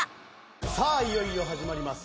さあいよいよ始まります